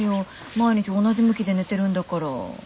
毎日同じ向きで寝てるんだから。